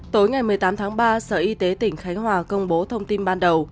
tối ngày một mươi tám tháng ba sở y tế tỉnh khánh hòa công bố thông tin ban đầu